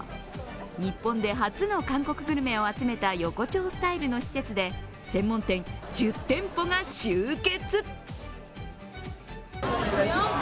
日本で初の韓国グルメを集めた横丁スタイルの施設で専門店１０店舗が集結。